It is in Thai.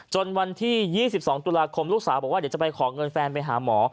วันที่๒๒ตุลาคมลูกสาวบอกว่าเดี๋ยวจะไปขอเงินแฟนไปหาหมอ